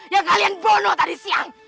yang kalian bunuh tadi siang